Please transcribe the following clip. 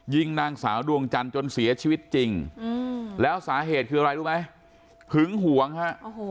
ยิงนางสาวดวงจันทร์จนเสียชีวิตจริงแล้วสาเหตุคืออะไรรู้ไหมหึงหวงฮะ